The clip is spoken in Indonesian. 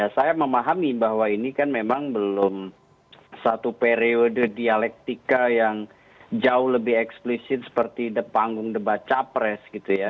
saya memahami bahwa ini kan memang belum satu periode dialektika yang jauh lebih eksplisit seperti panggung debat capres gitu ya